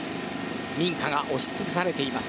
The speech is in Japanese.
民家が押し潰されています。